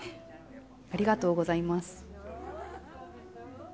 ありがとうございます。